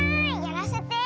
やらせて。